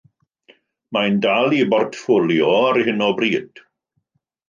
Mae'n dal ei bortffolio ar hyn o bryd.